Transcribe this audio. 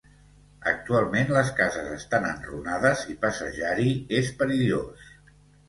Actualment les cases estan enrunades i passejar-hi és perillós.